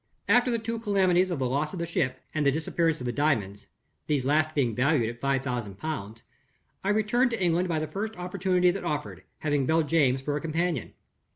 "After the two calamities of the loss of the ship and the disappearance of the diamonds these last being valued at five thousand pounds I returned to England by the first opportunity that offered, having Beljames for a companion.